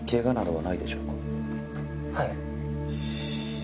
はい。